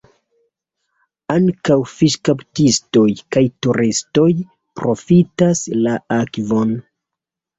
Ankaŭ fiŝkaptistoj kaj turistoj profitas la akvon.